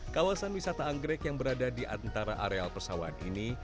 kawasan wisata anggrek yang berada di antara areal persawahan ini